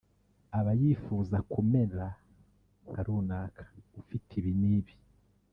Aba yifuza kumera nka runaka ufite ibi n’ibi